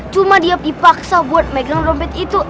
cuma dia dipaksa buat megang rombet itu